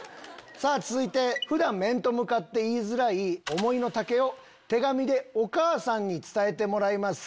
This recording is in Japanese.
続いて普段面と向かって言いづらい思いの丈を手紙でお母さんに伝えてもらいます。